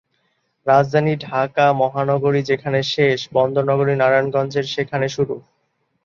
রাজধানী ঢাকা মহানগরী যেখানে শেষ, বন্দর নগরী নারায়ণগঞ্জের সেখানে শুরু।